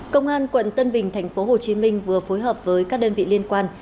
công an quận tân bình thành phố hồ chí minh vừa phối hợp với các đơn vị liên quan